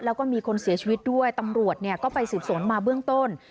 แล้วก็มีคนเสียชีวิตด้วยตำรวจก็ไปสืบสวนมาเบื้องต้น